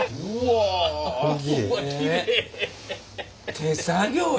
手作業よ